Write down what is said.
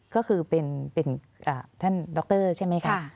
ก็คือเป็นท่านดรใช่ไหมคะ